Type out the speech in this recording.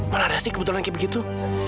mana ada sih kebetulan kayak begitu